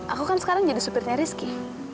aku kan sekarang jadi supirnya rizky